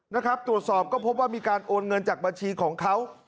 นะครับตรวจสอบก็พบว่ามีการโอนเงินจากบัญชีของเขา